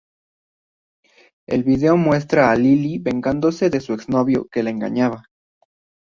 El video muestra a Lily vengándose de su exnovio que la engañaba.